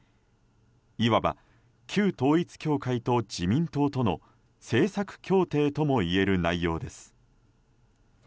いわば旧統一教会と自民党との政策協定ともいえる内容です。